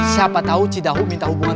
siapa tahu cidahu minta hubungan